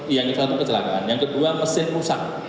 yang itu satu kecelakaan yang kedua mesin rusak